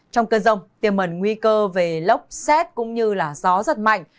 trong cơn rông tiềm mẩn nguy cơ về lốc xét cũng như gió giật mạnh